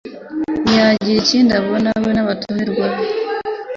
Ntiyagira ikindi abona we n'abatumirwa be,